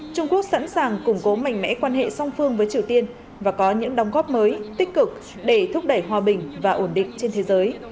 trung quốc sẵn sàng củng cố mạnh mẽ quan hệ song phương với triều tiên và có những đóng góp mới tích cực để thúc đẩy hòa bình và ổn định trên thế giới